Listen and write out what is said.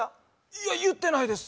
いや言ってないです